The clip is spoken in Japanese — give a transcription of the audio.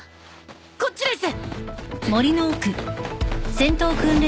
こっちです！